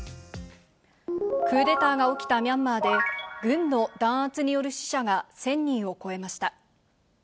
クーデターが起きたミャンマーで、軍の弾圧による死者が１０００人を超えました。